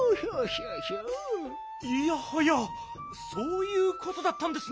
いやはやそういうことだったんですね！